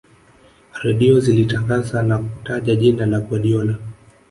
redio zilitangaza na kutaja jina la guardiola